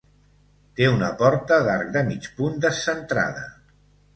Té una porta d'arc de mig punt descentrada.